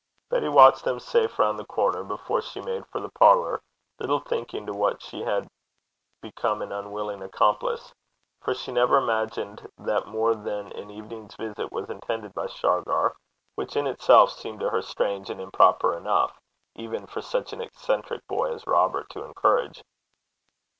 Betty watched them safe round the corner before she made for the parlour, little thinking to what she had become an unwilling accomplice, for she never imagined that more than an evening's visit was intended by Shargar, which in itself seemed to her strange and improper enough even for such an eccentric boy as Robert to encourage.